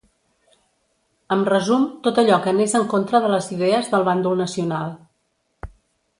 Em resum, tot allò que anés en contra de les idees del bàndol nacional.